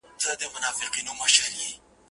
اراده یم، ما ټینګ کړي اسمان مځکه تل تر تله